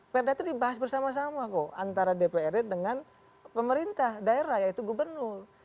perda itu dibahas bersama sama kok antara dprd dengan pemerintah daerah yaitu gubernur